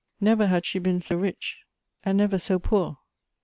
Never had she been so rich, and never so poor.